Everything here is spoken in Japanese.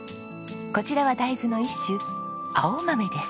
こちらは大豆の一種青豆です。